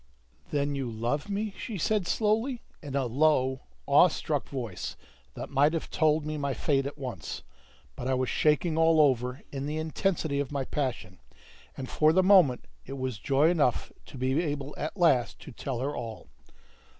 "Then you owe me?" she said slowly, in a low, awe struck voice that might have told me my fate at once; but I was shaking all over in the intensity of my passion, and for the moment it was joy enough to be able at last to tell her all.